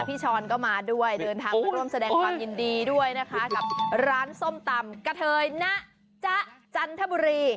ช้อนก็มาด้วยเดินทางมาร่วมแสดงความยินดีด้วยนะคะกับร้านส้มตำกะเทยนะจ๊ะจันทบุรี